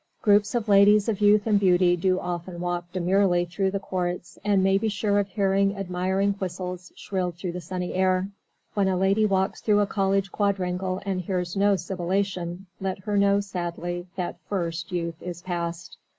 Groups of ladies of youth and beauty do often walk demurely through the courts, and may be sure of hearing admiring whistles shrilled through the sunny air. When a lady walks through a college quadrangle and hears no sibilation, let her know sadly that first youth is past.